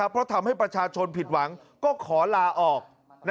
เพราะทำให้ประชาชนผิดหวังก็ขอลาออก